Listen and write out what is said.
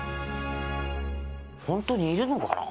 本当にいるのかな。